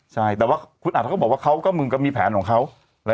ใช่แต่ว่าคุณอาจารย์ก็บอกว่าเขาก็มีแผนของเขา